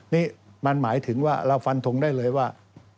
นี่มันหมายถึงว่าเราฟันทงได้เลยว่า